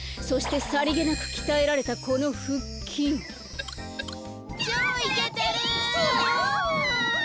そしてさりげなくきたえられたこのふっきん。